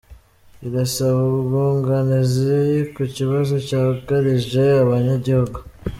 irasaba ubwunganizi ku kibazo cyugarije abanyagihugu